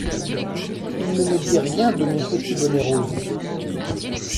Il ne me dit rien de mon petit bonnet rose.